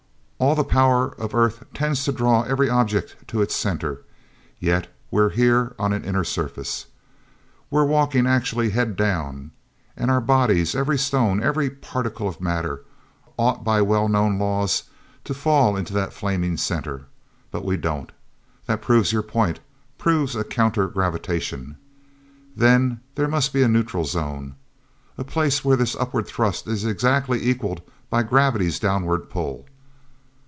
"All the power of earth tends to draw every object to its center, yet we're here on an inner surface. We're walking actually head down. And our bodies, every stone, every particle of matter, ought by well known laws to fall into that flaming center. But we don't! That proves your point—proves a counter gravitation. Then there must be a neutral zone. A place where this upward thrust is exactly equalled by gravity's downward pull.